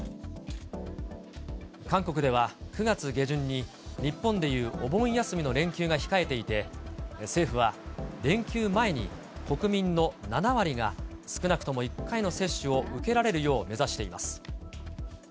韓国では、９月下旬に日本でいうお盆休みの連休が控えていて、政府は、連休前に国民の７割が、少なくとも１回の接種を受けられるよう目指しています。